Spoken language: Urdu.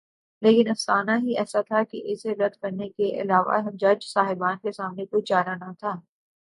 لیکن افسانہ ہی ایسا تھا کہ اسے رد کرنے کے علاوہ جج صاحبان کے سامنے کوئی چارہ نہ تھا۔